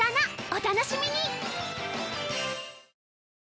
お楽しみに！